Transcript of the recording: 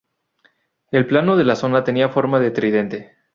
El plano de la zona tenía forma de tridente.